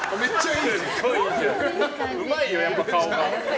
うまいよ、やっぱ顔が。